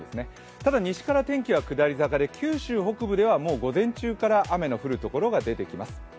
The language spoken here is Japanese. ただ、西から天気は下り坂で九州北部ではもう午前中から雨の降る所が出てきます。